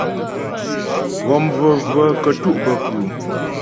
Ghɔm vəvə kətú' bə kʉ́ʉ́ ?